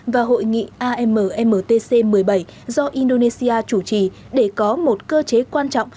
và hội nghị ammtc một mươi bảy do indonesia chủ trì để có một cơ chế quan trọng